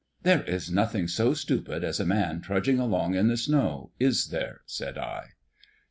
"There is nothing so stupid as a man trudging along in the snow. Is there?" said I.